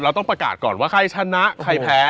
ต้องประกาศก่อนว่าใครชนะใครแพ้